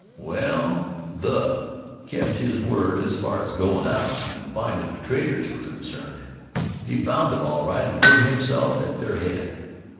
Well, "The" kept his word as far as goin' out and findin' the traitors was concerned. He found them all right and put himself at their head.